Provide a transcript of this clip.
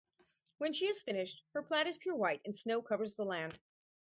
When she is finished, her plaid is pure white and snow covers the land.